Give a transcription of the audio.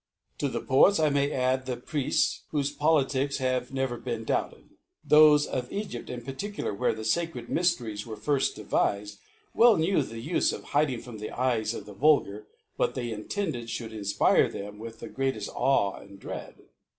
— To the Poets I may add the Priefts, whofe Po litics have never been doubted. Thofe of Egyp in particular, where the facred My ftcries were firft devifed, well knew the life of hiding from the Eyes of the Vulgar, what they intended fhould infpire them with the greateft Awe and Dread.